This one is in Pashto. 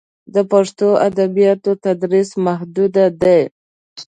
د پښتو ادبیاتو تدریس محدود دی.